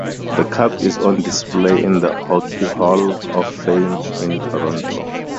The Cup is on display in the Hockey Hall of Fame in Toronto.